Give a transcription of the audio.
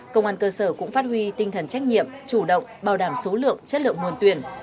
công an cơ sở cũng phát huy tinh thần trách nhiệm chủ động bảo đảm số lượng chất lượng nguồn tuyển